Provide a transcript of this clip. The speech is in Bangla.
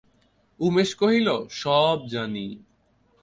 উমেশ কহিল, সব জানি।